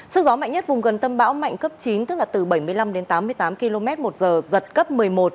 sức gió mạnh nhất vùng gần tâm bão mạnh cấp chín tức là từ bảy mươi năm đến tám mươi tám km một giờ giật cấp một mươi một